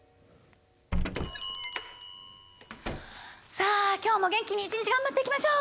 さあ今日も元気に一日頑張っていきましょう！